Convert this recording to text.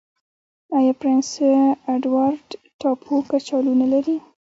آیا پرنس اډوارډ ټاپو کچالو نلري؟